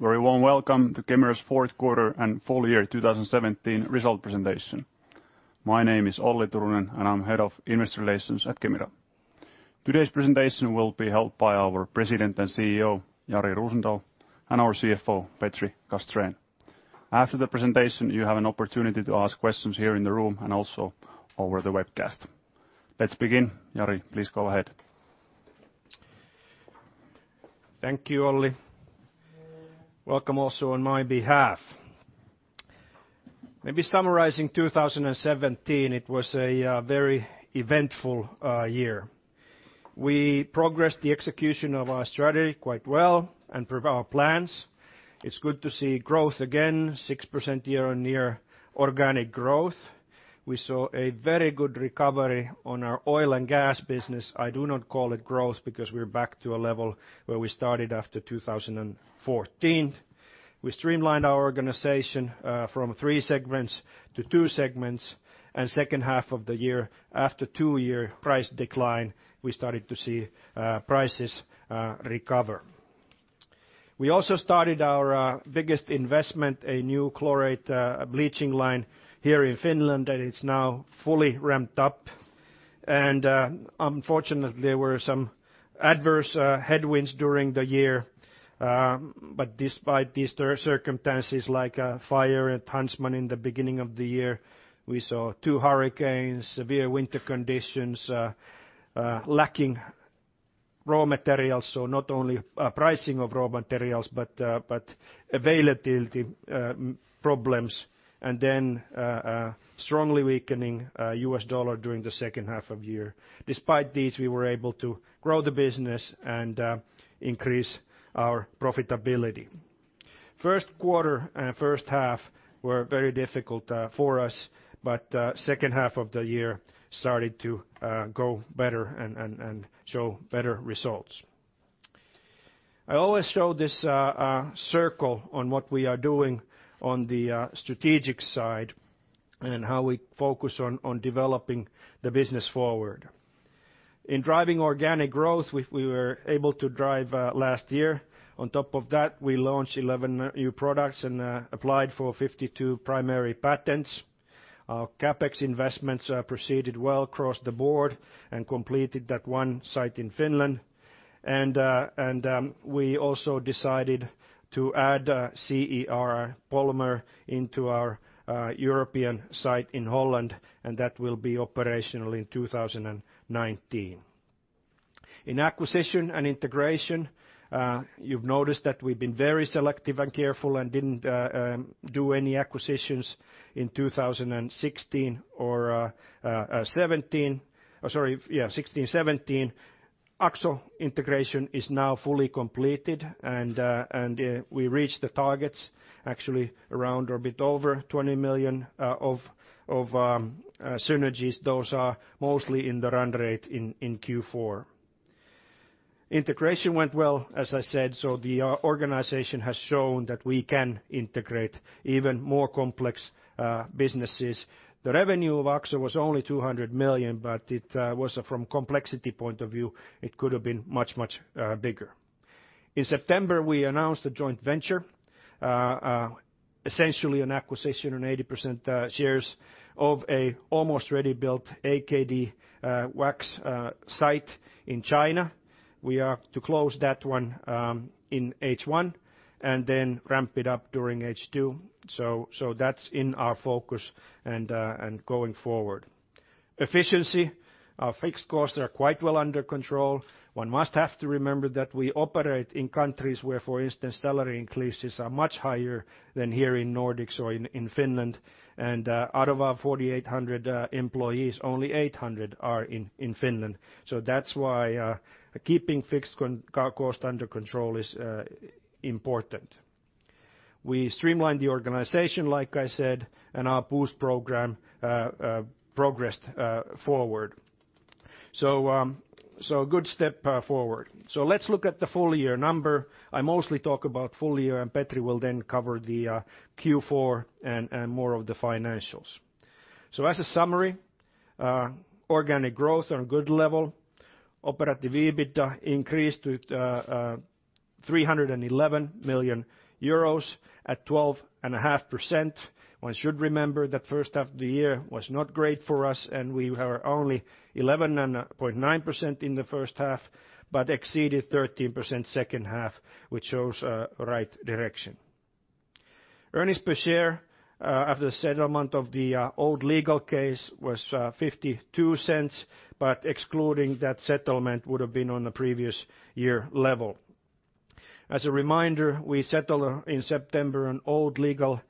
Very warm welcome to Kemira's fourth quarter and full year 2017 result presentation. My name is Olli Turunen, and I'm Head of Investor Relations at Kemira. Today's presentation will be held by our President and CEO, Jari Rosendal, and our CFO, Petri Castrén. After the presentation, you have an opportunity to ask questions here in the room and also over the webcast. Let's begin. Jari, please go ahead. Thank you, Olli. Welcome also on my behalf. Maybe summarizing 2017, it was a very eventful year. We progressed the execution of our strategy quite well and per our plans. It's good to see growth again, 6% year-on-year organic growth. We saw a very good recovery on our oil and gas business. I do not call it growth because we're back to a level where we started after 2014. We streamlined our organization from 3 segments to 2 segments, and second half of the year, after a two-year price decline, we started to see prices recover. We also started our biggest investment, a new chlorate bleaching line here in Finland, and it's now fully ramped up. Unfortunately, there were some adverse headwinds during the year. Despite these circumstances, like a fire at Huntsman in the beginning of the year, we saw two hurricanes, severe winter conditions, lacking raw materials, not only pricing of raw materials, but availability problems, a strongly weakening US dollar during the second half of the year. Despite these, we were able to grow the business and increase our profitability. First quarter and first half were very difficult for us, second half of the year started to go better and show better results. I always show this circle on what we are doing on the strategic side and how we focus on developing the business forward. In driving organic growth, we were able to drive last year. On top of that, we launched 11 new products and applied for 52 primary patents. Our CapEx investments proceeded well across the board and completed that one site in Finland. We also decided to add CEOR polymer into our European site in Holland, and that will be operational in 2019. In acquisition and integration, you've noticed that we've been very selective and careful and didn't do any acquisitions in 2016 or 2017. Sorry, yeah, 2016, 2017. AkzoNobel integration is now fully completed, and we reached the targets actually around or a bit over 20 million of synergies. Those are mostly in the run rate in Q4. Integration went well, as I said, the organization has shown that we can integrate even more complex businesses. The revenue of AkzoNobel was only 200 million, from complexity point of view, it could have been much bigger. In September, we announced a joint venture, essentially an acquisition on 80% shares of an almost ready built AKD wax site in China. We are to close that one in H1 and then ramp it up during H2. That's in our focus and going forward. Efficiency. Our fixed costs are quite well under control. One must remember that we operate in countries where, for instance, salary increases are much higher than here in Nordics or in Finland, and out of our 4,800 employees, only 800 are in Finland. That's why keeping fixed costs under control is important. We streamlined the organization, like I said, and our BOOST program progressed forward. A good step forward. Let's look at the full year number. I mostly talk about full year, and Petri will then cover the Q4 and more of the financials. As a summary, organic growth on good level. Operative EBITDA increased to 311 million euros at 12.5%. One should remember that first half of the year was not great for us, and we were only 11.9% in the first half, but exceeded 13% second half, which shows right direction. Earnings per share after settlement of the old legal case was 0.52, but excluding that settlement would've been on the previous year level. As a reminder, we settled in September an old legal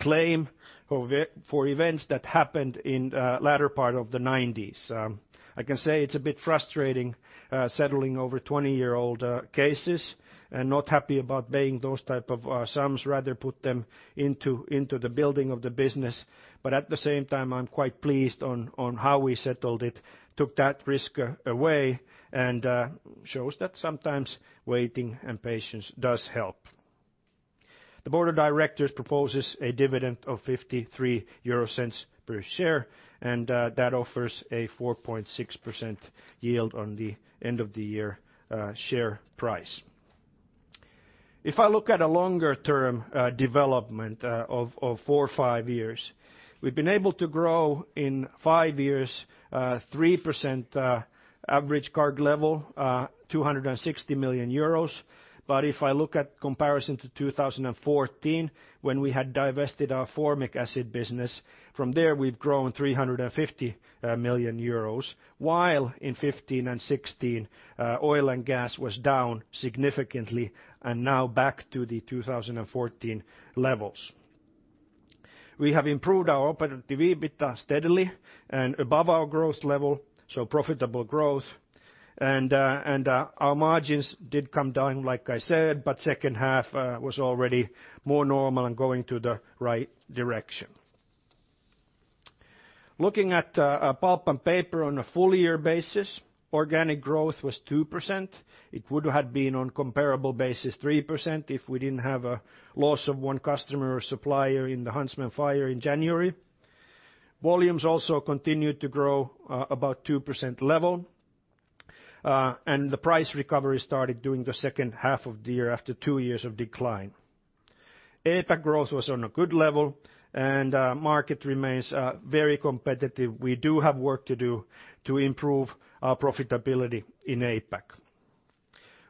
claim for events that happened in latter part of the 1990s. I can say it's a bit frustrating settling over 20-year-old cases and not happy about paying those type of sums, rather put them into the building of the business. At the same time, I'm quite pleased on how we settled it, took that risk away, and shows that sometimes waiting and patience does help. The board of directors proposes a dividend of 0.53 per share, and that offers a 4.6% yield on the end-of-the-year share price. If I look at a longer-term development of four or five years, we've been able to grow in five years, 3% average CAGR level, 260 million euros. If I look at comparison to 2014, when we had divested our formic acid business, from there we've grown 350 million euros, while in 2015 and 2016, oil and gas was down significantly and now back to the 2014 levels. We have improved our operative EBITDA steadily and above our growth level, so profitable growth. Our margins did come down, like I said, second half was already more normal and going to the right direction. Looking at pulp and paper on a full year basis, organic growth was 2%. It would have been, on comparable basis, 3% if we didn't have a loss of one customer or supplier in the Huntsman fire in January. Volumes also continued to grow about 2% level. The price recovery started during the second half of the year after two years of decline. APAC growth was on a good level, and market remains very competitive. We do have work to do to improve our profitability in APAC.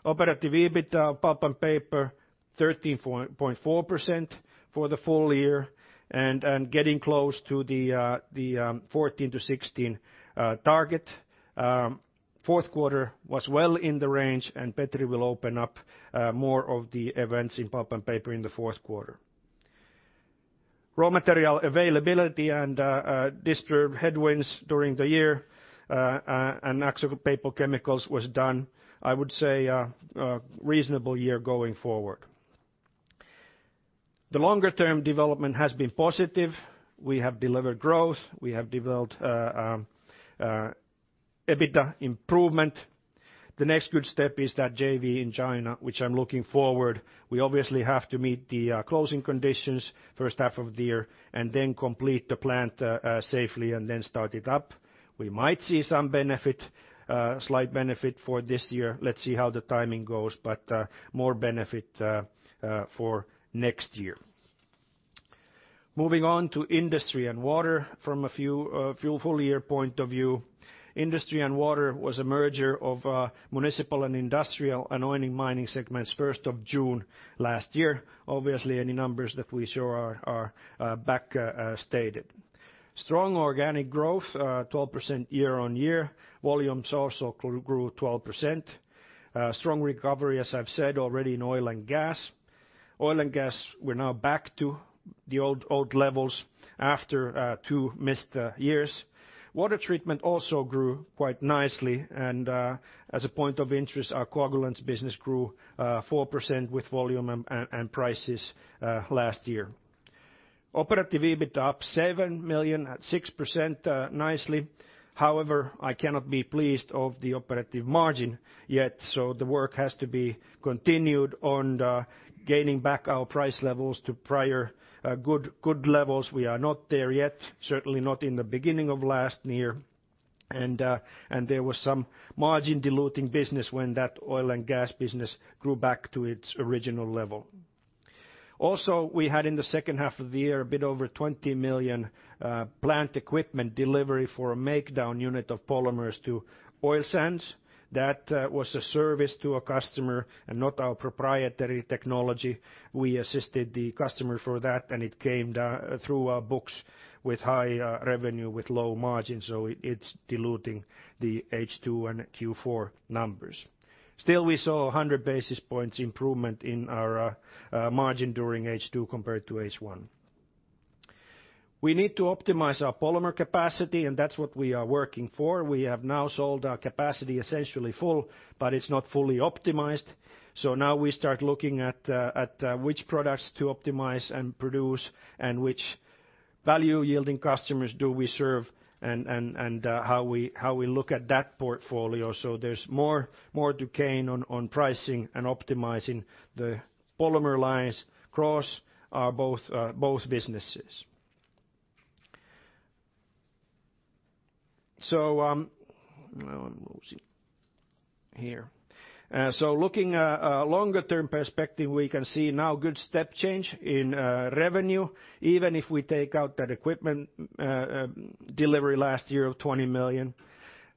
Operative EBITDA of pulp and paper, 13.4% for the full year and getting close to the 2014 to 2016 target. Fourth quarter was well in the range, and Petri will open up more of the events in pulp and paper in the fourth quarter. Raw material availability and disturbed headwinds during the year. AkzoNobel Chemicals was done, I would say, a reasonable year going forward. The longer-term development has been positive. We have delivered growth, we have developed EBITDA improvement. The next good step is that JV in China, which I'm looking forward. We obviously have to meet the closing conditions first half of the year and then complete the plant safely and then start it up. We might see some slight benefit for this year. Let's see how the timing goes, but more benefit for next year. Moving on to Industry and Water from a full year point of view. Industry and Water was a merger of municipal and industrial, and mining segments 1st of June last year. Obviously, any numbers that we show are back stated. Strong organic growth, 12% year-over-year. Volumes also grew 12%. Strong recovery, as I've said already in oil and gas. Oil and gas, we're now back to the old levels after two missed years. Water treatment also grew quite nicely. As a point of interest, our coagulants business grew 4% with volume and prices last year. Operative EBITDA up 7 million at 6% nicely. However, I cannot be pleased of the operative margin yet, the work has to be continued on gaining back our price levels to prior good levels. We are not there yet, certainly not in the beginning of last year. There was some margin diluting business when that oil and gas business grew back to its original level. Also, we had in the second half of the year, a bit over 20 million plant equipment delivery for a make-down unit of polymers to oil sands. That was a service to a customer and not our proprietary technology. We assisted the customer for that. It came through our books with high revenue, with low margin, it's diluting the H2 and Q4 numbers. Still, we saw 100 basis points improvement in our margin during H2 compared to H1. We need to optimize our polymer capacity. That's what we are working for. We have now sold our capacity essentially full, but it's not fully optimized. Now we start looking at which products to optimize and produce and which value-yielding customers do we serve and how we look at that portfolio. There's more to gain on pricing and optimizing the polymer lines across both businesses. Now I'm losing it here. Looking longer-term perspective, we can see now good step change in revenue, even if we take out that equipment delivery last year of 20 million.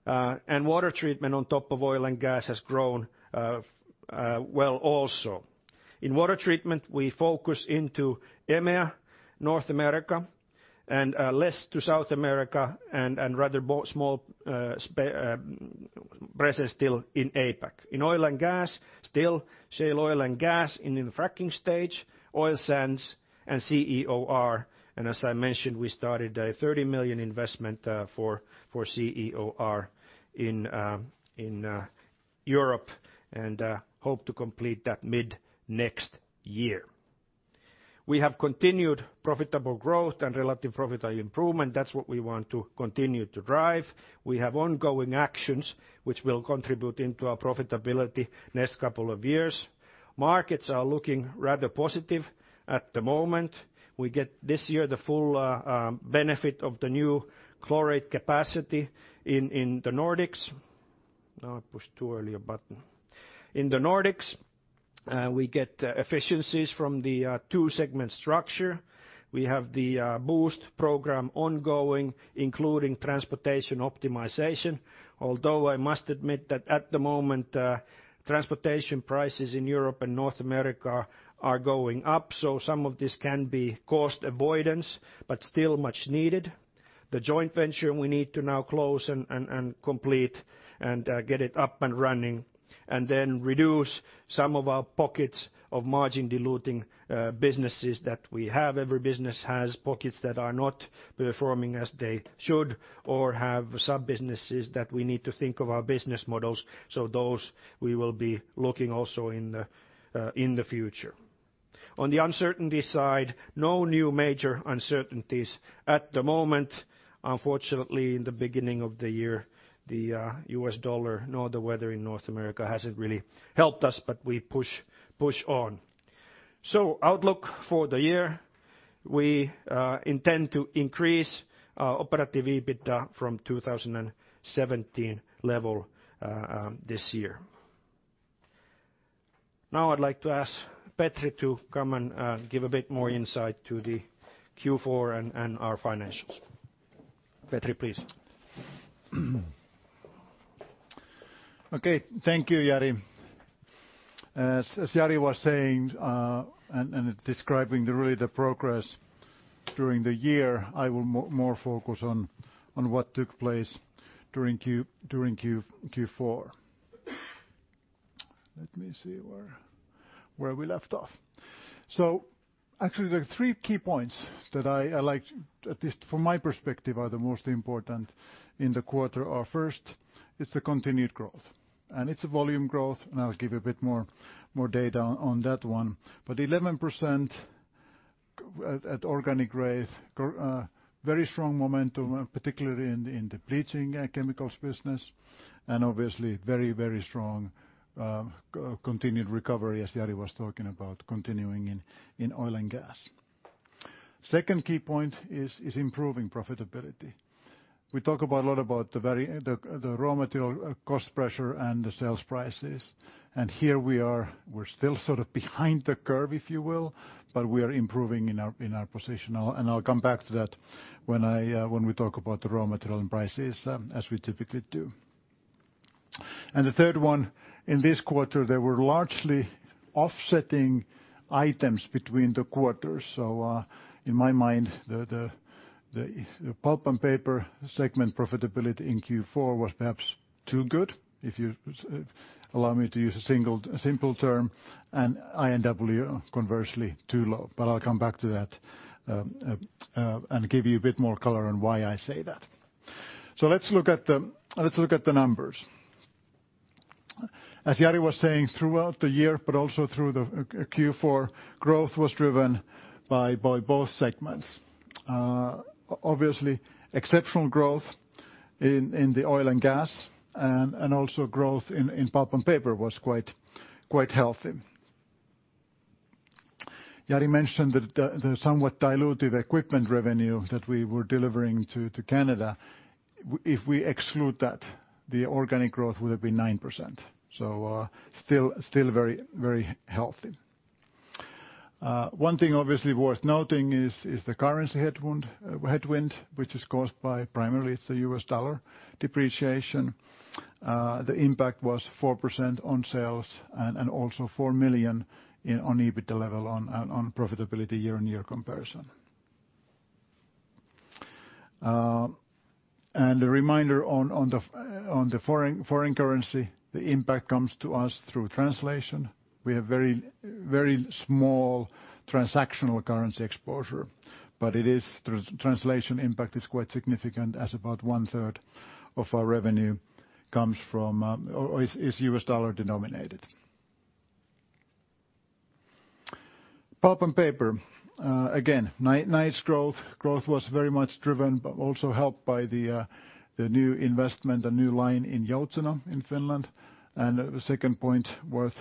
Water treatment on top of oil and gas has grown well also. In water treatment, we focus into EMEA, North America, and less to South America and rather small presence still in APAC. In oil and gas, still shale oil and gas in the fracking stage, oil sands, and CEOR. As I mentioned, we started a 30 million investment for CEOR in Europe and hope to complete that mid-next year. We have continued profitable growth and relative profitable improvement. That's what we want to continue to drive. We have ongoing actions which will contribute into our profitability next couple of years. Markets are looking rather positive at the moment. We get, this year, the full benefit of the new chlorate capacity in the Nordics. Now I pushed too early a button. In the Nordics, we get efficiencies from the two-segment structure. We have the BOOST program ongoing, including transportation optimization. Although I must admit that at the moment, transportation prices in Europe and North America are going up, some of this can be cost avoidance, but still much needed. The joint venture we need to now close and complete and get it up and running, and then reduce some of our pockets of margin-diluting businesses that we have. Every business has pockets that are not performing as they should or have sub-businesses that we need to think of our business models. Those we will be looking also in the future. On the uncertainty side, no new major uncertainties at the moment. Unfortunately, in the beginning of the year, the US dollar, nor the weather in North America hasn't really helped us, but we push on. Outlook for the year, we intend to increase our operative EBITDA from 2017 level this year. I'd like to ask Petri to come and give a bit more insight to the Q4 and our financials. Petri, please. Okay. Thank you, Jari. As Jari was saying, and describing really the progress during the year, I will more focus on what took place during Q4. Let me see where we left off. Actually, the three key points that at least from my perspective, are the most important in the quarter are, first, it's the continued growth. It's a volume growth, and I'll give a bit more data on that one. 11% at organic growth, very strong momentum, particularly in the bleaching and chemicals business, and obviously very strong continued recovery, as Jari was talking about, continuing in oil and gas. Second key point is improving profitability. We talk a lot about the raw material cost pressure and the sales prices. Here we're still sort of behind the curve, if you will, but we are improving in our position. I'll come back to that when we talk about the raw material and prices, as we typically do. The third one, in this quarter, there were largely offsetting items between the quarters. In my mind, the pulp and paper segment profitability in Q4 was perhaps too good, if you allow me to use a simple term, and I&W, conversely, too low. I'll come back to that and give you a bit more color on why I say that. Let's look at the numbers. As Jari was saying, throughout the year, but also through the Q4, growth was driven by both segments. Obviously, exceptional growth in the oil and gas, and also growth in pulp and paper was quite healthy. Jari mentioned the somewhat dilutive equipment revenue that we were delivering to Canada. If we exclude that, the organic growth would have been 9%. Still very healthy. One thing obviously worth noting is the currency headwind, which is caused by primarily the US dollar depreciation. The impact was 4% on sales and also 4 million on EBITDA level on profitability year-over-year comparison. A reminder on the foreign currency, the impact comes to us through translation. We have very small transactional currency exposure, but translation impact is quite significant as about one-third of our revenue is US dollar denominated. Pulp and Paper. Again, nice growth. Growth was very much driven, but also helped by the new investment, a new line in Joutseno in Finland. Second point worth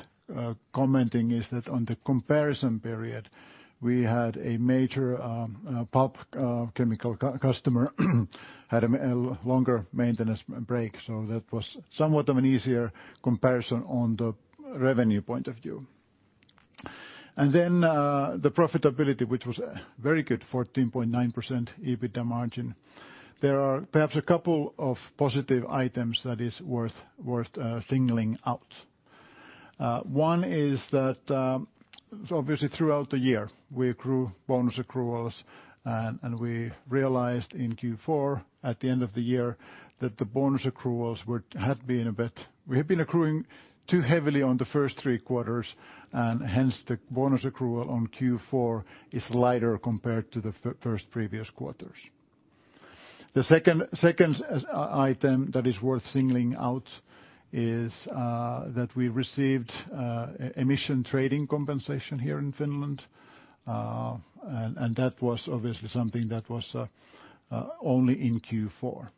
commenting is that on the comparison period, we had a major pulp chemical customer had a longer maintenance break, so that was somewhat of an easier comparison on the revenue point of view. Then the profitability, which was very good, 14.9% EBITDA margin. There are perhaps a couple of positive items that is worth singling out. One is that, obviously, throughout the year, we grew bonus accruals. We realized in Q4, at the end of the year, that the bonus accruals we had been accruing too heavily on the first three quarters. The bonus accrual on Q4 is lighter compared to the first previous quarters. The second item that is worth singling out is that we received emission trading compensation here in Finland. That was obviously something that was only in Q4.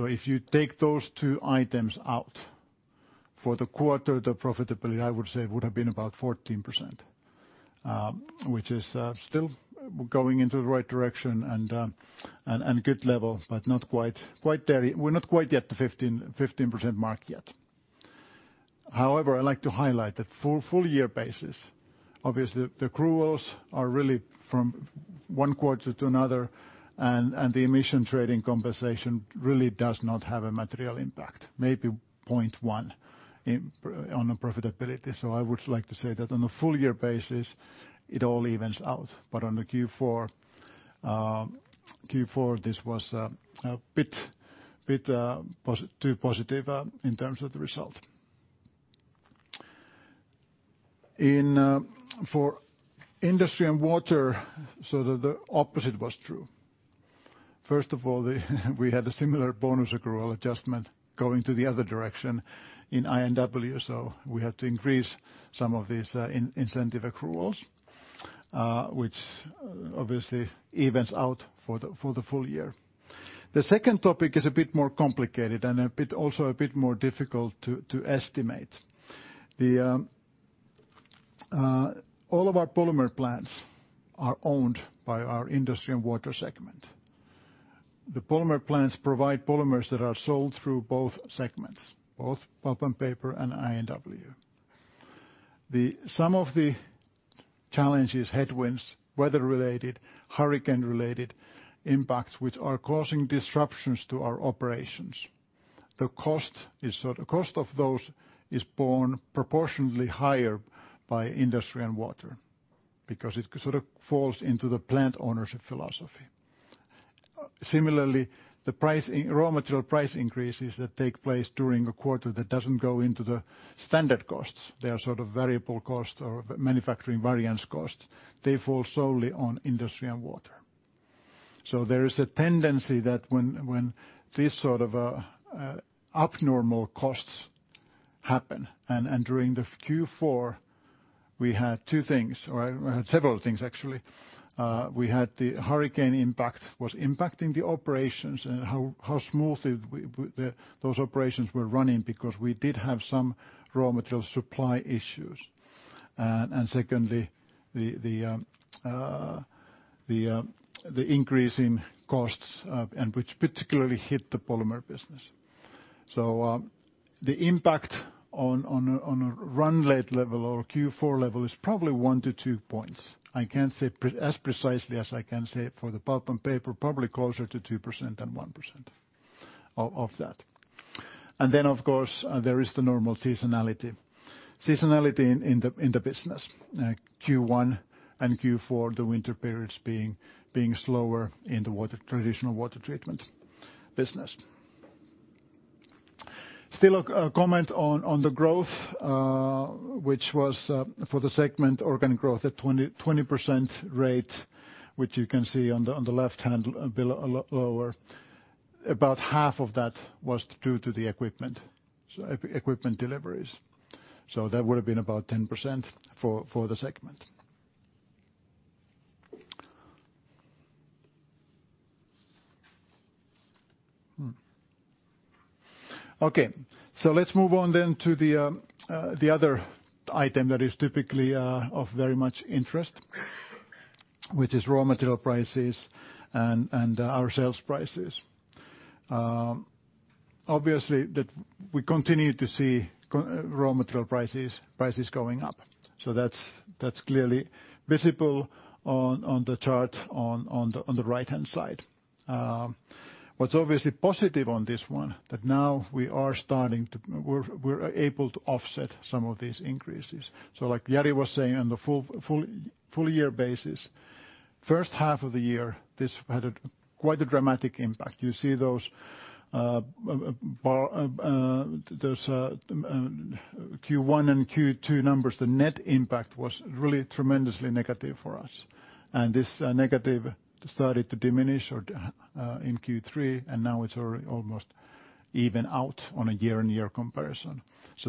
If you take those two items out for the quarter, the profitability, I would say, would have been about 14%, which is still going into the right direction and a good level. We're not quite yet at the 15% mark yet. I'd like to highlight that for full year basis, obviously the accruals are really from one quarter to another. The emission trading compensation really does not have a material impact. Maybe 0.1% on the profitability. I would like to say that on a full year basis, it all evens out. On the Q4, this was a bit too positive in terms of the result. For Industry & Water, the opposite was true. First of all, we had a similar bonus accrual adjustment going to the other direction in I&W. We had to increase some of these incentive accruals. This obviously evens out for the full year. The second topic is a bit more complicated and also a bit more difficult to estimate. All of our polymer plants are owned by our Industry & Water segment. The polymer plants provide polymers that are sold through both segments, both Pulp and Paper and I&W. Some of the challenges, headwinds, weather-related, hurricane-related impacts are causing disruptions to our operations. The cost of those is borne proportionately higher by Industry & Water because it sort of falls into the plant ownership philosophy. Similarly, the raw material price increases that take place during a quarter that do not go into the standard costs, they are sort of variable cost or manufacturing variance cost. They fall solely on Industry & Water. There is a tendency that when these sort of abnormal costs happen. During the Q4 we had two things, or we had several things, actually. The hurricane impact was impacting the operations and how smoothly those operations were running because we did have some raw material supply issues. Secondly, the increase in costs, which particularly hit the polymer business. The impact on a run rate level or Q4 level is probably 1-2 points. I can't say as precisely as I can say for the pulp and paper, probably closer to 2% than 1% of that. Of course, there is the normal seasonality in the business. Q1 and Q4, the winter periods being slower in the traditional water treatment business. Still a comment on the growth, which was for the segment organic growth at 20% rate, which you can see on the left-hand lower. About half of that was due to the equipment deliveries. That would've been about 10% for the segment. Let's move on to the other item that is typically of very much interest, which is raw material prices and our sales prices. Obviously, we continue to see raw material prices going up. That's clearly visible on the chart on the right-hand side. What's obviously positive on this one, that now we're able to offset some of these increases. Like Jari was saying, on the full year basis, first half of the year, this had quite a dramatic impact. You see those Q1 and Q2 numbers, the net impact was really tremendously negative for us. This negative started to diminish in Q3, and now it's almost even out on a year-on-year comparison.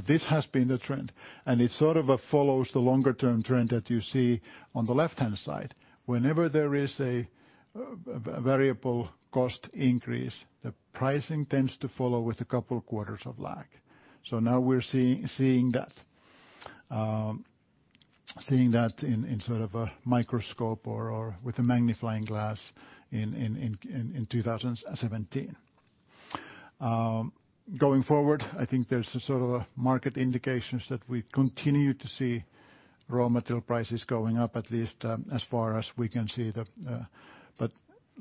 This has been the trend, and it sort of follows the longer-term trend that you see on the left-hand side. Whenever there is a variable cost increase, the pricing tends to follow with a couple quarters of lag. Now we're seeing that in sort of a microscope or with a magnifying glass in 2017. Going forward, I think there's a sort of market indications that we continue to see raw material prices going up at least, as far as we can see.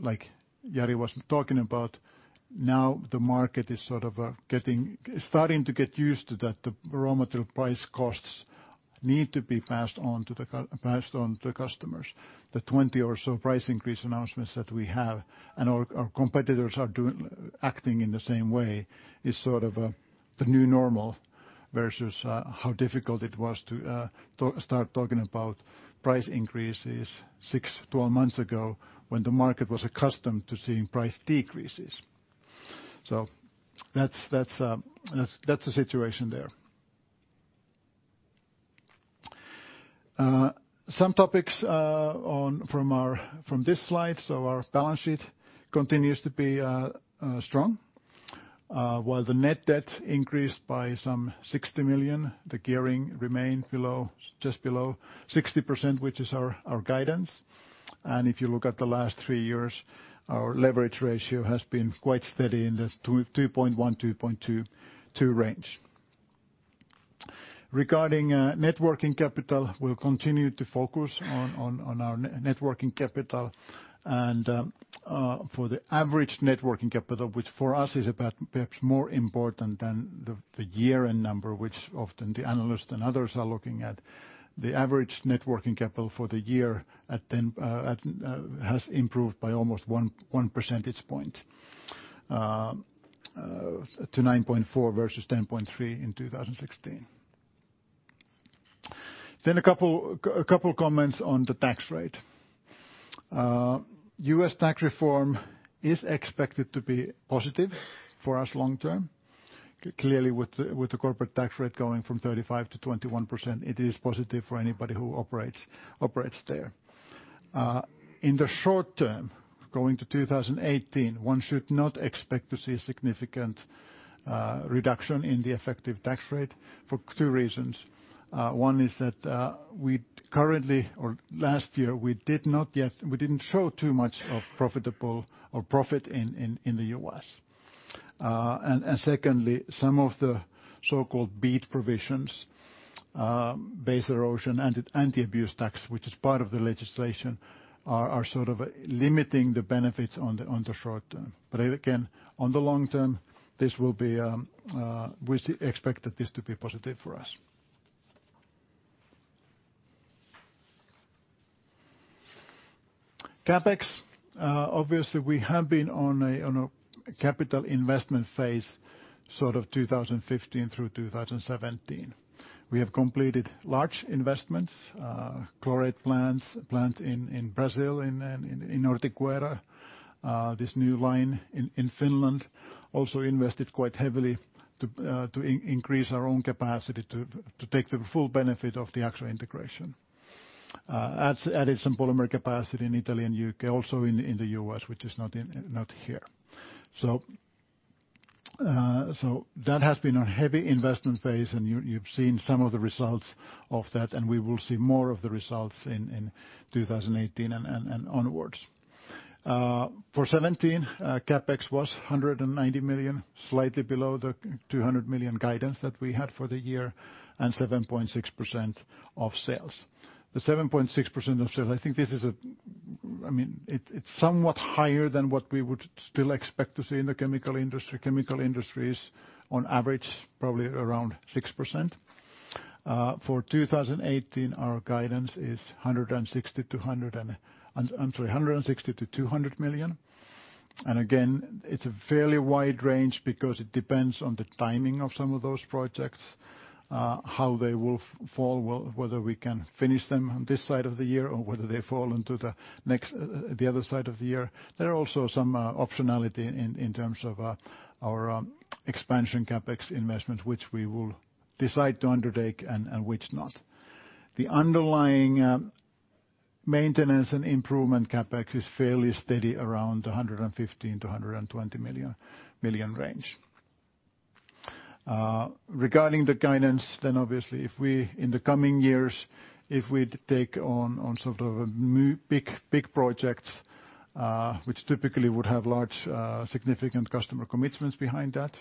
Like Jari was talking about, now the market is starting to get used to that the raw material price costs need to be passed on to the customers. The 20 or so price increase announcements that we have and our competitors are acting in the same way is the new normal, versus how difficult it was to start talking about price increases 6, 12 months ago when the market was accustomed to seeing price decreases. That's the situation there. Some topics from this slide. Our balance sheet continues to be strong. While the net debt increased by some 60 million, the gearing remained just below 60%, which is our guidance. If you look at the last 3 years, our leverage ratio has been quite steady in this 2.1-2.2 range. Regarding net working capital, we'll continue to focus on our net working capital and for the average net working capital, which for us is perhaps more important than the year-end number, which often the analysts and others are looking at. The average net working capital for the year has improved by almost one percentage point, to 9.4 versus 10.3 in 2016. A couple of comments on the tax rate. U.S. tax reform is expected to be positive for us long term. Clearly with the corporate tax rate going from 35%-21%, it is positive for anybody who operates there. In the short term, going to 2018, one should not expect to see a significant reduction in the effective tax rate for 2 reasons. Secondly, some of the so-called BEAT provisions, Base Erosion and Anti-Abuse Tax, which is part of the legislation, are limiting the benefits on the short term. Again, on the long term, we expect that this to be positive for us. CapEx. Obviously we have been on a capital investment phase 2015 through 2017. We have completed large investments, chlorate plant in Brazil, in Ortigueira. This new line in Finland also invested quite heavily to increase our own capacity to take the full benefit of the actual integration. Added some polymer capacity in Italy and U.K., also in the U.S., which is not here. That has been a heavy investment phase and you've seen some of the results of that, and we will see more of the results in 2018 and onwards. For 2017, CapEx was 190 million, slightly below the 200 million guidance that we had for the year, and 7.6% of sales. The 7.6% of sales, I think this is, it is somewhat higher than what we would still expect to see in the chemical industries. On average, probably around 6%. For 2018, our guidance is 160 million-200 million. Again, it is a fairly wide range because it depends on the timing of some of those projects, how they will fall, whether we can finish them on this side of the year, or whether they fall into the other side of the year. There are also some optionality in terms of our expansion CapEx investment, which we will decide to undertake and which not. The underlying maintenance and improvement CapEx is fairly steady around 115 million-120 million range. Regarding the guidance, obviously if we, in the coming years, if we take on sort of big projects, which typically would have large, significant customer commitments behind that,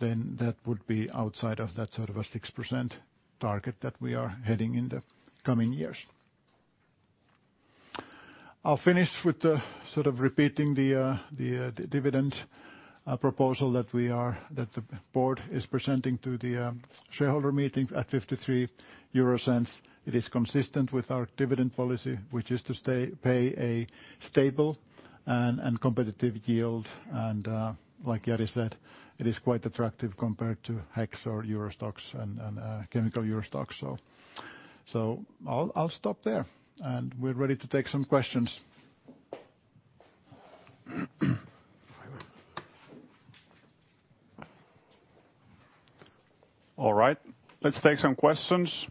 then that would be outside of that sort of a 6% target that we are heading in the coming years. I'll finish with repeating the dividend proposal that the board is presenting to the shareholder meeting at 0.53. It is consistent with our dividend policy, which is to pay a stable and competitive yield, and like Jari said, it is quite attractive compared to HEX or Euro Stoxx and chemical Euro Stoxx. I'll stop there. We're ready to take some questions. All right. Let's take some questions.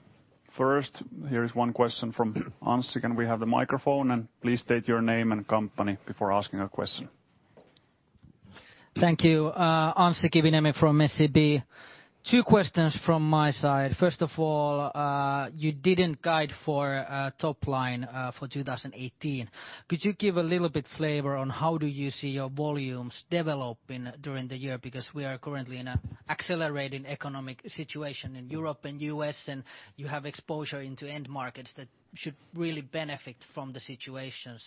First, here is one question from Anssi, can we have the microphone? Please state your name and company before asking a question. Thank you. Anssi Kiviniemi from SEB. Two questions from my side. First of all, you didn't guide for top line for 2018. Could you give a little bit flavor on how do you see your volumes developing during the year? Because we are currently in a accelerating economic situation in Europe and U.S., and you have exposure into end markets that should really benefit from the situation.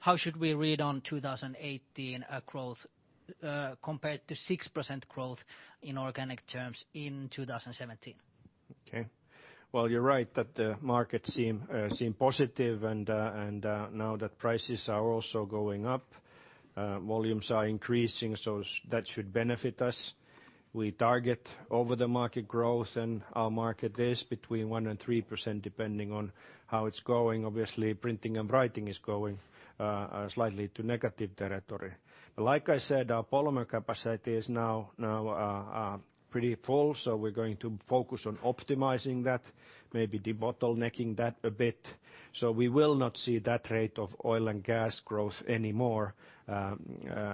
How should we read on 2018 growth compared to 6% growth in organic terms in 2017? Okay. Well, you're right that the markets seem positive and now that prices are also going up, volumes are increasing, so that should benefit us. We target over the market growth, and our market is between 1% and 3%, depending on how it's going. Obviously, printing and writing is going slightly to negative territory. Like I said, our polymer capacity is now pretty full, so we're going to focus on optimizing that, maybe debottlenecking that a bit. We will not see that rate of oil and gas growth anymore,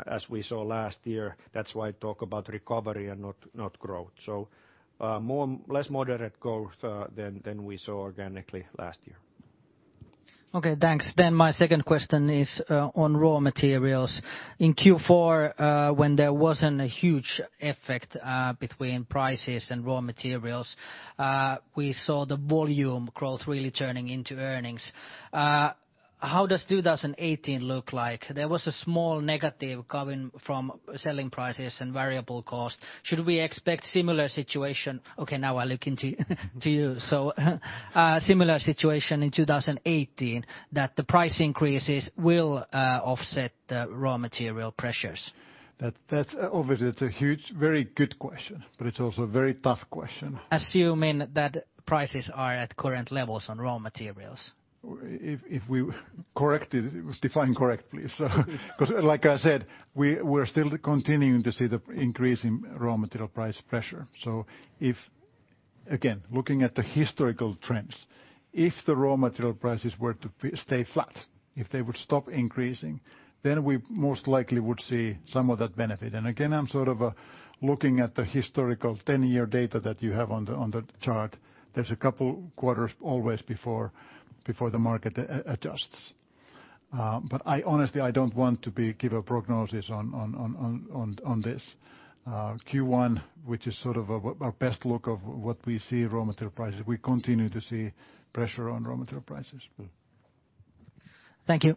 as we saw last year. That's why I talk about recovery and not growth. Less moderate growth than we saw organically last year. Okay, thanks. My second question is on raw materials. In Q4, when there wasn't a huge effect between prices and raw materials, we saw the volume growth really turning into earnings. How does 2018 look like? There was a small negative coming from selling prices and variable cost. Similar situation in 2018 that the price increases will offset the raw material pressures? Obviously, it's a very good question, it's also a very tough question. Assuming that prices are at current levels on raw materials. It was defined correctly. Because like I said, we're still continuing to see the increase in raw material price pressure. Again, looking at the historical trends, if the raw material prices were to stay flat, if they would stop increasing, then we most likely would see some of that benefit. Again, I'm looking at the historical 10-year data that you have on the chart. There's a couple quarters always before the market adjusts. Honestly, I don't want to give a prognosis on this Q1, which is our best look of what we see raw material prices. We continue to see pressure on raw material prices. Thank you.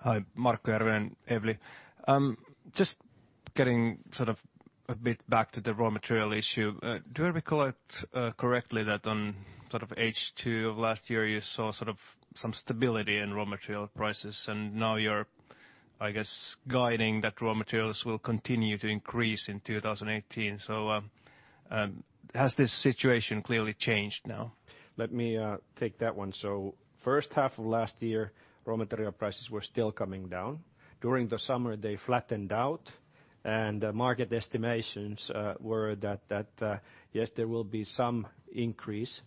Hi. Markku Järvinen, Evli. Just getting a bit back to the raw material issue. Do I recall it correctly that on H2 of last year, you saw some stability in raw material prices and now you're, I guess, guiding that raw materials will continue to increase in 2018. Has this situation clearly changed now? Let me take that one. First half of last year, raw material prices were still coming down. During the summer, they flattened out, market estimations were that, yes, there will be some increase,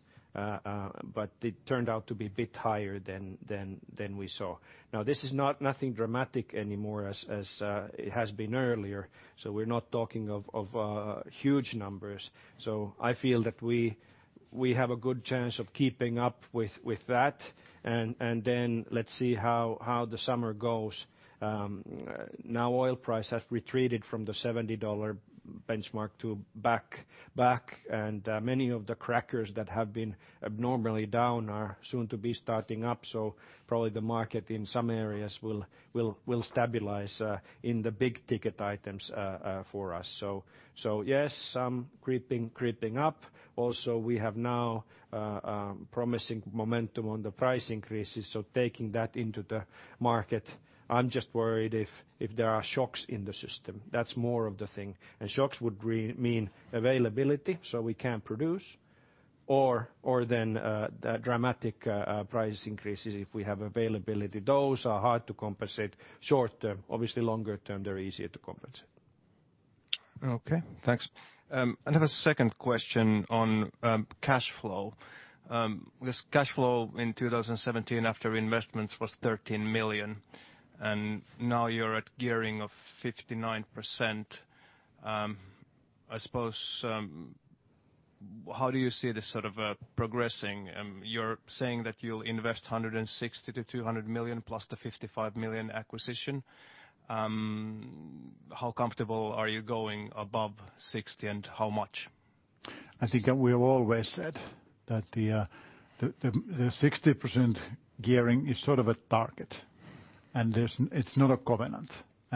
it turned out to be a bit higher than we saw. This is nothing dramatic anymore as it has been earlier. We're not talking of huge numbers. I feel that we have a good chance of keeping up with that. Let's see how the summer goes. Oil price has retreated from the $70 benchmark back and many of the crackers that have been abnormally down are soon to be starting up. Probably the market in some areas will stabilize in the big-ticket items for us. Yes, some creeping up. Also, we have now promising momentum on the price increases. Taking that into the market, I'm just worried if there are shocks in the system. That's more of the thing. Shocks would mean availability, we can't produce, dramatic price increases if we have availability. Those are hard to compensate short-term. Obviously, longer term, they're easier to compensate. Okay, thanks. I have a second question on cash flow, because cash flow in 2017 after investments was 13 million, and now you're at gearing of 59%. I suppose, how do you see this progressing? You're saying that you'll invest 160 million-200 million plus the 55 million acquisition. How comfortable are you going above 60% and how much? I think we have always said that the 60% gearing is a target, it's not a covenant,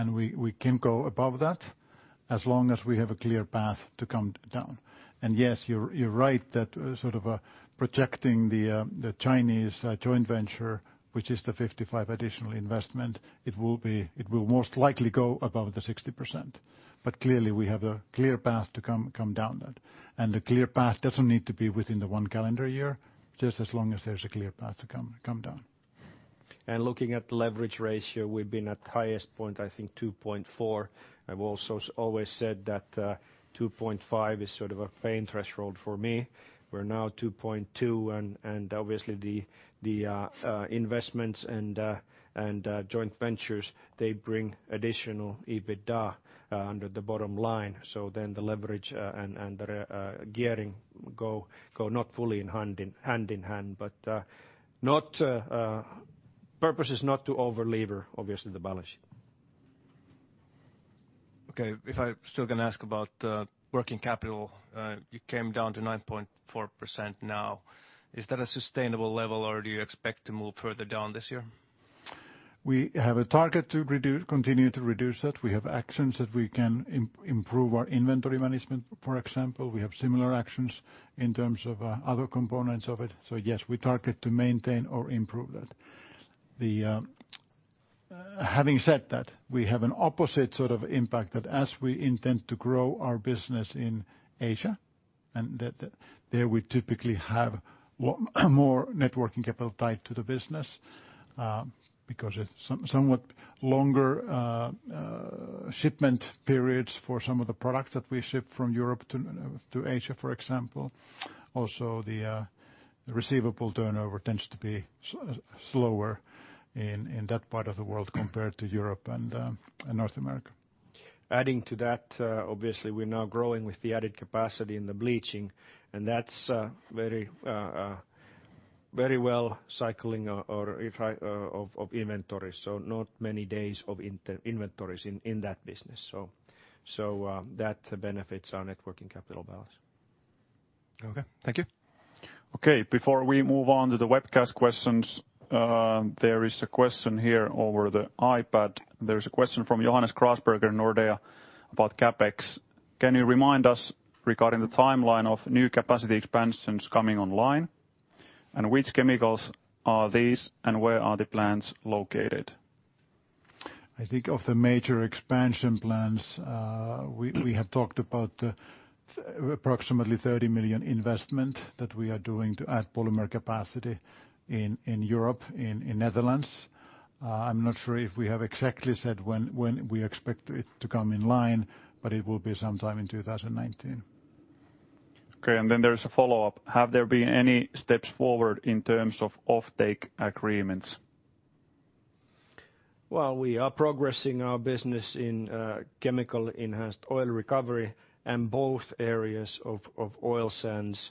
we can go above that as long as we have a clear path to come down. Yes, you're right that projecting the Chinese joint venture, which is the 55 additional investment, it will most likely go above the 60%. Clearly, we have a clear path to come down that. The clear path doesn't need to be within the one calendar year, just as long as there's a clear path to come down. Looking at leverage ratio, we've been at highest point, I think 2.4. I've also always said that 2.5 is a pain threshold for me. We're now 2.2, obviously the investments and joint ventures, they bring additional EBITDA under the bottom line. The leverage and the gearing go not fully hand in hand. Purpose is not to over-lever, obviously, the balance sheet. Okay. If I still can ask about working capital, you came down to 9.4% now. Is that a sustainable level or do you expect to move further down this year? We have a target to continue to reduce it. We have actions that we can improve our inventory management, for example. We have similar actions in terms of other components of it. Yes, we target to maintain or improve that. Having said that, we have an opposite sort of impact that as we intend to grow our business in Asia, there we typically have more net working capital tied to the business, because it's somewhat longer shipment periods for some of the products that we ship from Europe to Asia, for example. Also, the receivable turnover tends to be slower in that part of the world compared to Europe and North America. Adding to that, obviously we're now growing with the added capacity in the bleaching, that's very well cycling of inventory, not many days of inventories in that business. That benefits our net working capital balance. Okay. Thank you. Before we move on to the webcast questions, there is a question here over the iPad. There is a question from Johannes Grasberger, Nordea, about CapEx. Can you remind us regarding the timeline of new capacity expansions coming online, and which chemicals are these, and where are the plants located? I think of the major expansion plans, we have talked about approximately 30 million investment that we are doing to add polymer capacity in Europe, in the Netherlands. I'm not sure if we have exactly said when we expect it to come in line, but it will be sometime in 2019. Okay, then there's a follow-up. Have there been any steps forward in terms of off-take agreements? We are progressing our business in Chemical Enhanced Oil Recovery and both areas of oil sands.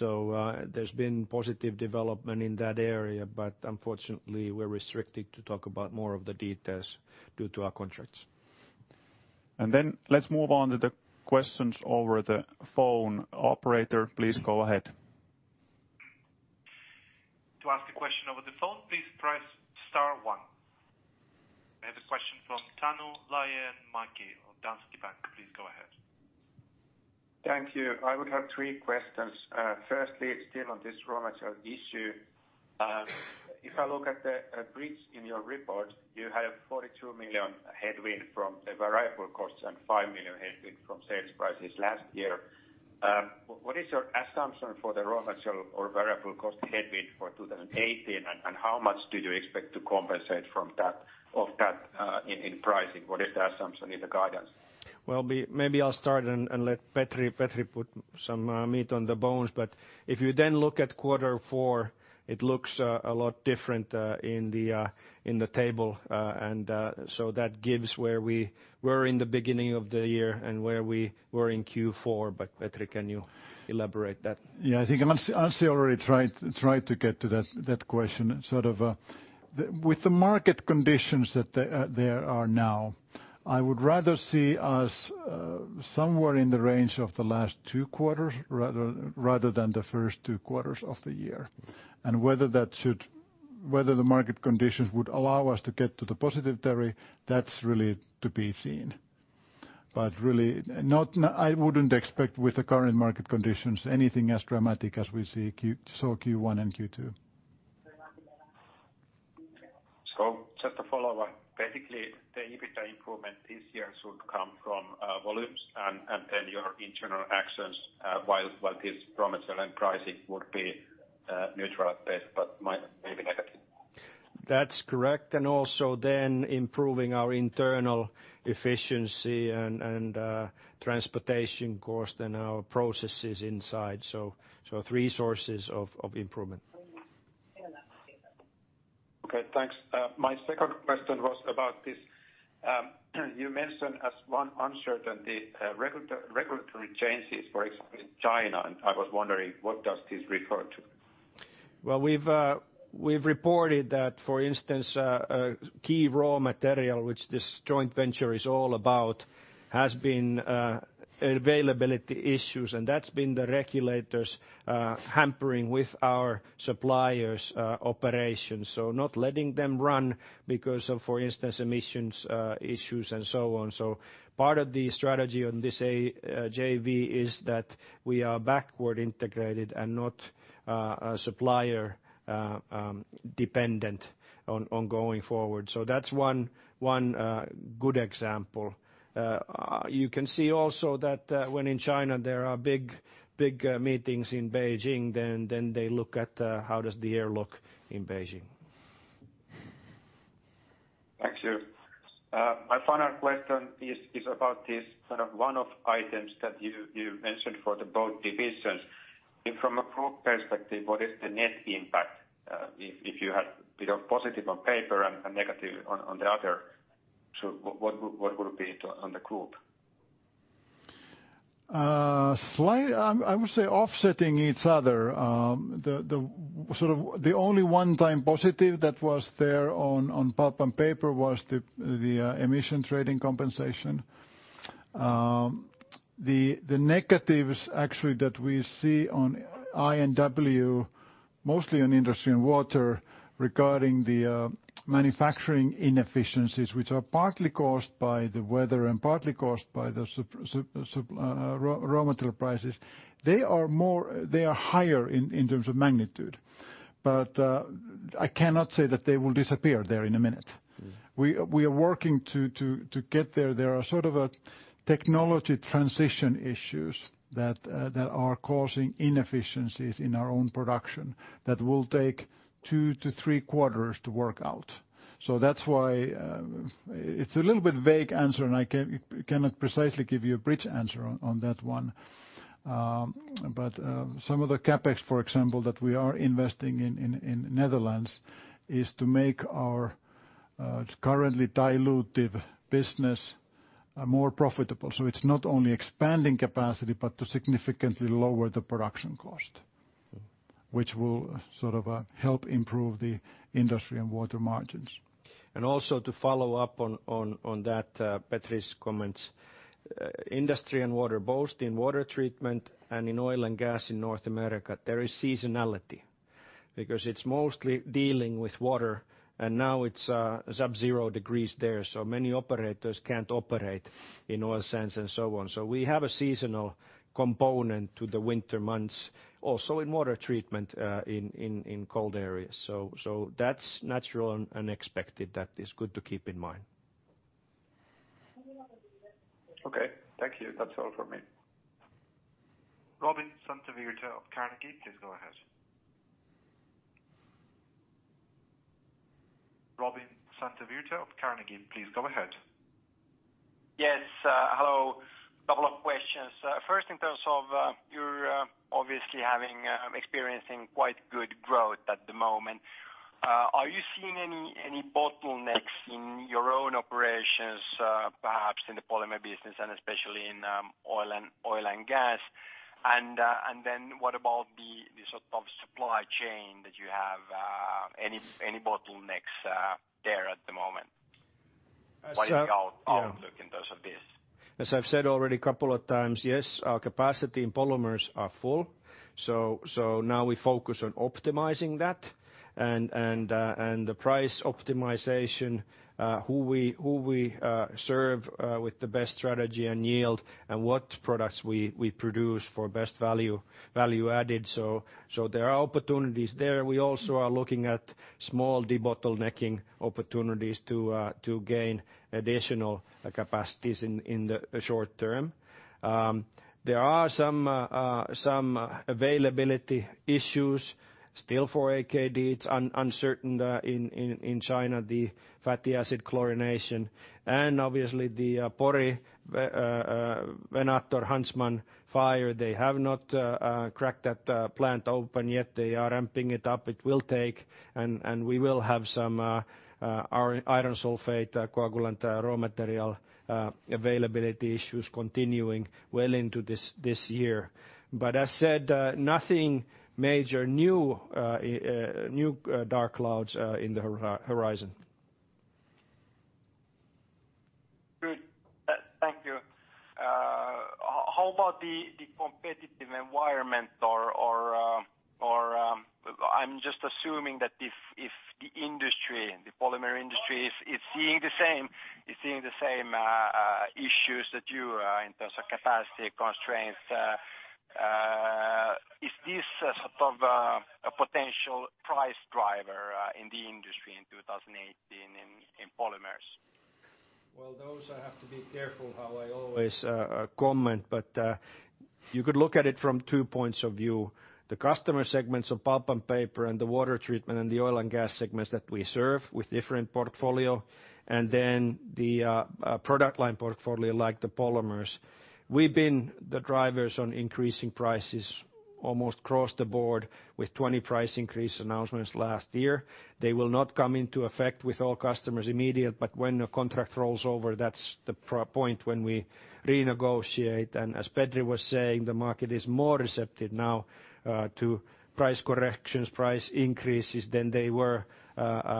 There's been positive development in that area, unfortunately, we are restricted to talk about more of the details due to our contracts. Let's move on to the questions over the phone. Operator, please go ahead. To ask a question over the phone, please press star one. I have a question from Taneli Monki of Danske Bank. Please go ahead. Thank you. I would have three questions. Firstly, still on this raw material issue. If I look at the bridge in your report, you have 42 million headwind from the variable costs and 5 million headwind from sales prices last year. What is your assumption for the raw material or variable cost headwind for 2018, and how much do you expect to compensate of that in pricing? What is the assumption in the guidance? Well, maybe I'll start and let Petri put some meat on the bones. If you look at quarter four, it looks a lot different in the table. That gives where we were in the beginning of the year and where we were in Q4. Petri, can you elaborate that? Yeah, I think Anssi already tried to get to that question, sort of with the market conditions that there are now, I would rather see us somewhere in the range of the last two quarters rather than the first two quarters of the year. Whether the market conditions would allow us to get to the positivity, that's really to be seen. Really, I wouldn't expect with the current market conditions anything as dramatic as we saw Q1 and Q2. Just a follow-up. Basically, the EBITDA improvement this year should come from volumes and your internal actions, while this raw material and pricing would be neutralized there, maybe negative. That's correct, also improving our internal efficiency and transportation cost and our processes inside. Three sources of improvement. Okay, thanks. My second question was about this. You mentioned as one uncertainty, regulatory changes, for example, in China. I was wondering what does this refer to? Well, we've reported that, for instance, a key raw material, which this joint venture is all about, has been availability issues, and that's been the regulators hampering with our suppliers' operations. Not letting them run because of, for instance, emissions issues and so on. Part of the strategy on this JV is that we are backward integrated and not supplier-dependent on going forward. That's one good example. You can see also that when in China, there are big meetings in Beijing, they look at how does the air look in Beijing. My final question is about this one-off items that you mentioned for both divisions. From a group perspective, what is the net impact if you had a bit of positive on paper and negative on the other? What would it be on the group? Slight, I would say offsetting each other. The only one-time positive that was there on pulp and paper was the emission trading compensation. The negatives actually that we see on I&W, mostly on industry and water regarding the manufacturing inefficiencies, which are partly caused by the weather and partly caused by the raw material prices. They are higher in terms of magnitude. I cannot say that they will disappear there in a minute. We are working to get there. There are technology transition issues that are causing inefficiencies in our own production that will take two to three quarters to work out. That's why it's a little bit vague answer, and I cannot precisely give you a bridge answer on that one. Some of the CapEx, for example, that we are investing in Netherlands is to make our currently dilutive business more profitable. It's not only expanding capacity, but to significantly lower the production cost. Which will help improve the Industry & Water margins. Also to follow up on that, Petri's comments. Industry & Water, both in water treatment and in oil and gas in North America, there is seasonality because it's mostly dealing with water and now it's subzero degrees there, many operators can't operate in oil sands and so on. We have a seasonal component to the winter months also in water treatment in cold areas. That's natural and expected. That is good to keep in mind. Okay. Thank you. That's all from me. Robin Santavirta of Carnegie, please go ahead. Robin Santavirta of Carnegie, please go ahead. Yes, hello. Couple of questions. First, in terms of you're obviously experiencing quite good growth at the moment. Are you seeing any bottlenecks in your own operations, perhaps in the polymer business and especially in oil and gas? What about the supply chain that you have? Any bottlenecks there at the moment? What is the outlook in terms of this? As I've said already a couple of times, yes, our capacity in polymers are full. Now we focus on optimizing that and the price optimization who we serve with the best strategy and yield and what products we produce for best value added. There are opportunities there. We also are looking at small debottlenecking opportunities to gain additional capacities in the short-term. There are some availability issues still for AKD. It's uncertain in China, the fatty acid chlorination and obviously the Pori Venator Huntsman fire. They have not cracked that plant open yet. They are ramping it up. It will take, and we will have some iron sulfate coagulant raw material availability issues continuing well into this year. As said, nothing major, new dark clouds in the horizon. Good. Thank you. How about the competitive environment? I'm just assuming that if the industry, the polymer industry is seeing the same issues that you in terms of capacity constraints. Is this a potential price driver in the industry in 2018 in polymers? Well, those I have to be careful how I always comment. You could look at it from two points of view. The customer segments of pulp and paper and the water treatment and the oil and gas segments that we serve with different portfolio, and then the product line portfolio like the polymers. We've been the drivers on increasing prices almost across the board with 20 price increase announcements last year. They will not come into effect with all customers immediate, but when a contract rolls over, that's the point when we renegotiate. As Petri was saying, the market is more receptive now to price corrections, price increases than they were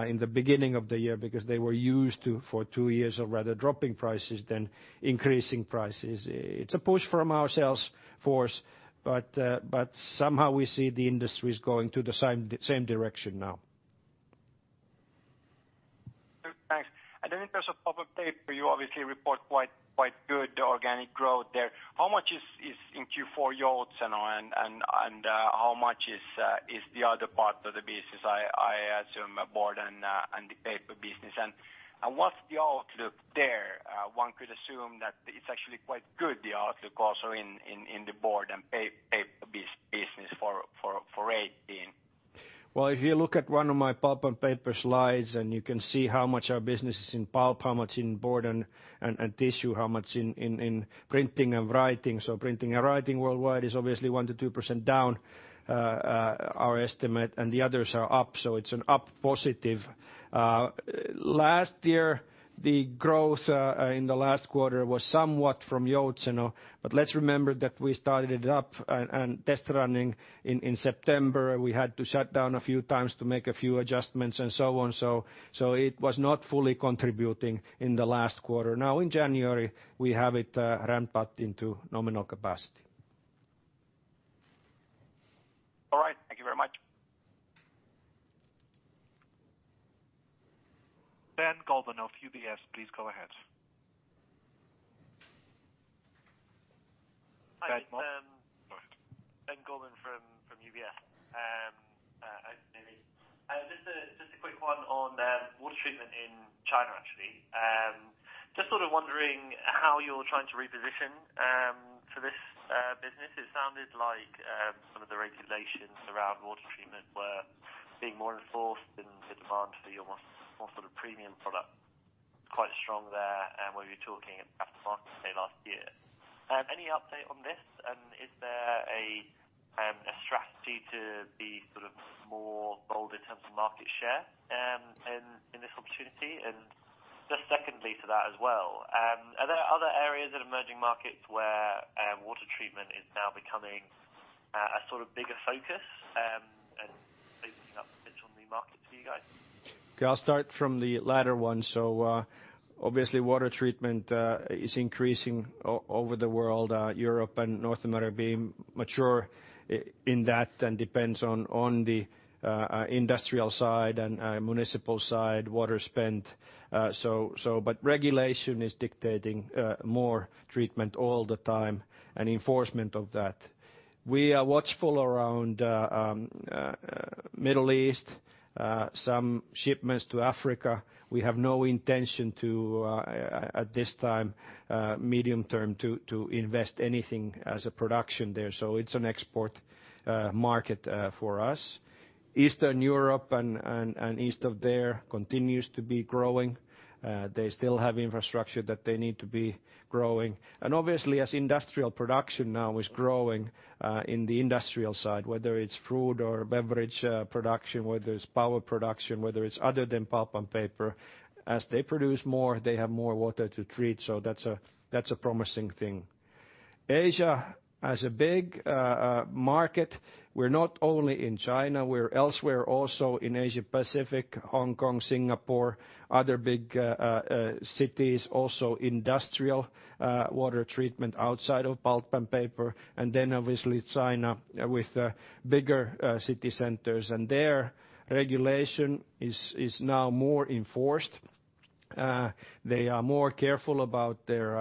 in the beginning of the year because they were used to for two years of rather dropping prices than increasing prices. It's a push from our sales force, somehow we see the industry is going to the same direction now. Thanks. In terms of pulp and paper, you obviously report quite good organic growth there. How much is in Q4 Joutseno, and how much is the other part of the business? I assume board and the paper business. What's the outlook there? One could assume that it's actually quite good, the outlook also in the board and paper business for 2018. If you look at one of my pulp and paper slides, you can see how much our business is in pulp, how much in board and tissue, how much in printing and writing. Printing and writing worldwide is obviously 1%-2% down our estimate, and the others are up. It's an up positive. Last year, the growth in the last quarter was somewhat from Joutseno. Let's remember that we started it up and test running in September. We had to shut down a few times to make a few adjustments and so on. It was not fully contributing in the last quarter. Now in January, we have it ramped up into nominal capacity. All right. Thank you very much. Ben Goldman of UBS, please go ahead. Ben. Sorry. Ben Goldman from UBS. Maybe just a quick one on water treatment in China, actually. Just sort of wondering how you're trying to reposition for this business. It sounded like some of the regulations around water treatment were being more enforced than the demand for your more sort of premium product. Quite strong there, where you're talking aftermarket, say, last year. Any update on this, and is there a strategy to be more bold in terms of market share in this opportunity? Just secondly to that as well, are there other areas in emerging markets where water treatment is now becoming a sort of bigger focus and opening up potential new markets for you guys? I'll start from the latter one. Obviously water treatment is increasing over the world, Europe and North America being mature in that and depends on the industrial side and municipal side water spent. Regulation is dictating more treatment all the time and enforcement of that. We are watchful around Middle East, some shipments to Africa. We have no intention at this time, medium term, to invest anything as a production there. It's an export market for us. Eastern Europe and east of there continues to be growing. They still have infrastructure that they need to be growing. Obviously as industrial production now is growing in the industrial side, whether it's food or beverage production, whether it's power production, whether it's other than pulp and paper, as they produce more, they have more water to treat. That's a promising thing. Asia as a big market, we're not only in China, we're elsewhere also in Asia Pacific, Hong Kong, Singapore, other big cities, also industrial water treatment outside of pulp and paper, then obviously China with bigger city centers. There regulation is now more enforced. They are more careful about their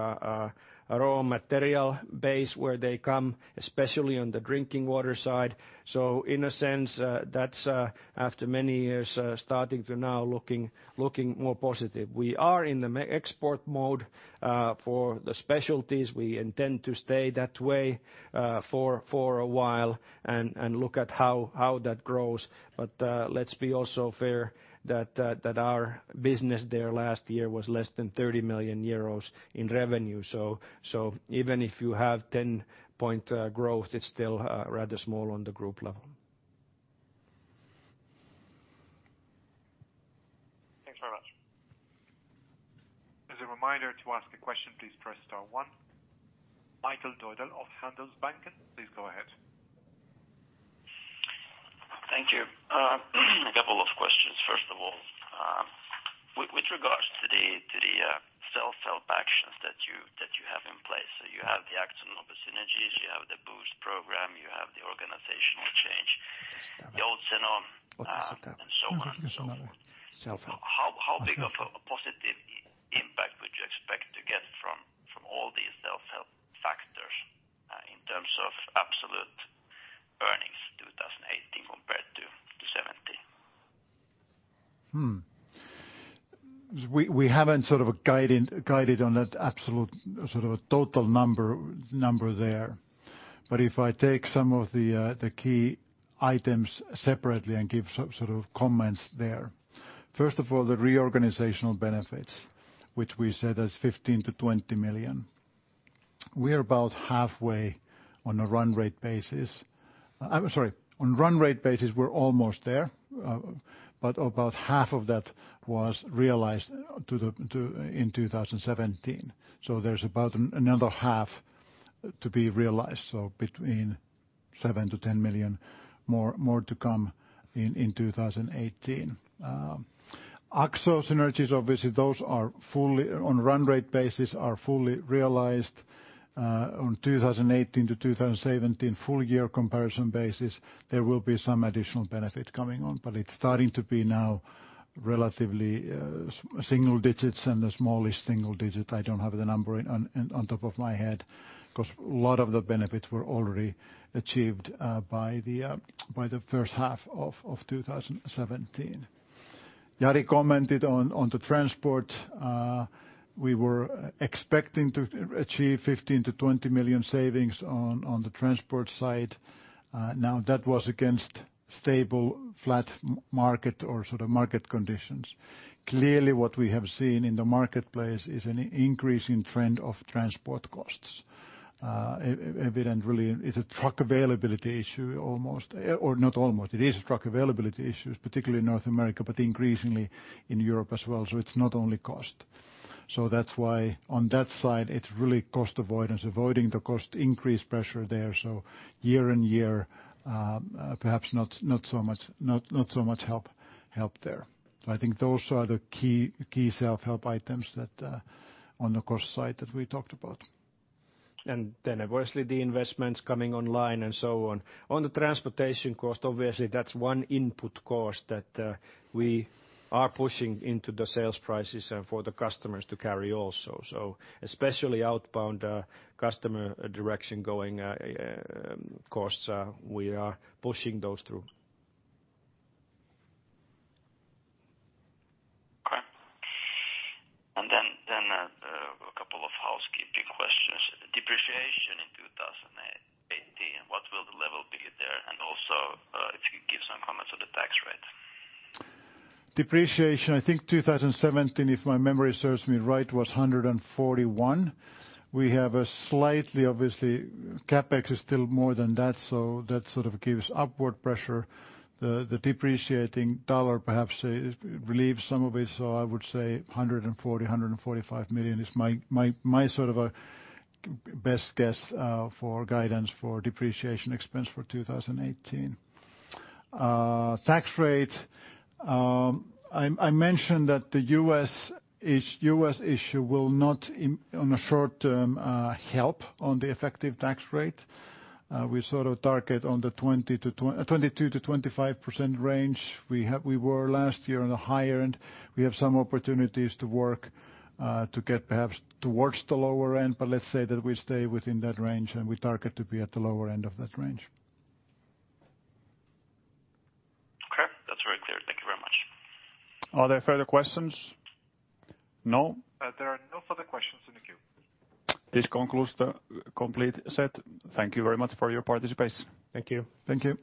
raw material base where they come, especially on the drinking water side. In a sense, that's after many years starting to now looking more positive. We are in the export mode for the specialties. We intend to stay that way for a while and look at how that grows. Let's be also fair that our business there last year was less than 30 million euros in revenue. Even if you have 10-point growth, it's still rather small on the group level. Thanks very much. As a reminder to ask a question, please press star one. Michael Doidel of Handelsbanken, please go ahead. Thank you. A couple of questions. First of all, with regards to the self-help actions that you have in place. You have the action on the synergies, you have the BOOST program, you have the organizational change, Joutseno and so on and so forth. Self-help. How big of a positive impact would you expect to get from all these self-help factors in terms of absolute earnings 2018 compared to 2017? We haven't sort of guided on that absolute sort of total number there. If I take some of the key items separately and give sort of comments there. First of all, the reorganizational benefits, which we said is 15 million-20 million. We are about halfway on a run rate basis. I'm sorry. On run rate basis, we're almost there. About half of that was realized in 2017. There's about another half to be realized. Between 7 million-10 million more to come in 2018. Akzo synergies, obviously those on run rate basis, are fully realized on 2018 to 2017 full year comparison basis. There will be some additional benefit coming on, but it's starting to be now relatively single digits and a smallish single digit. I don't have the number on top of my head because a lot of the benefits were already achieved by the first half of 2017. Jari commented on the transport. We were expecting to achieve 15 million-20 million savings on the transport side. That was against stable flat market or sort of market conditions. What we have seen in the marketplace is an increasing trend of transport costs. Evident really, it's a truck availability issue almost, or not almost, it is a truck availability issue, particularly in North America, but increasingly in Europe as well. It's not only cost. That's why on that side, it's really cost avoidance, avoiding the cost increase pressure there. Year-on-year, perhaps not so much help there. I think those are the key self-help items on the cost side that we talked about. Obviously the investments coming online and so on. On the transportation cost, obviously that's one input cost that we are pushing into the sales prices and for the customers to carry also. Especially outbound customer direction going costs, we are pushing those through. Okay. A couple of housekeeping questions. Depreciation in 2018, what will the level be there? Also, if you could give some comments on the tax rate. Depreciation, I think 2017, if my memory serves me right, was 141. We have a slightly, obviously CapEx is still more than that, so that sort of gives upward pressure. The depreciating US dollar perhaps relieves some of it. I would say 140 million-145 million is my sort of a best guess for guidance for depreciation expense for 2018. Tax rate, I mentioned that the U.S. issue will not, on a short term, help on the effective tax rate. We sort of target on the 22%-25% range. We were last year on the higher end. We have some opportunities to work to get perhaps towards the lower end, but let's say that we stay within that range and we target to be at the lower end of that range. Okay, that's very clear. Thank you very much. Are there further questions? No? There are no further questions in the queue. This concludes the complete set. Thank you very much for your participation. Thank you. Thank you.